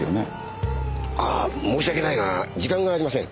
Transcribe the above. ああ申し訳ないが時間がありません。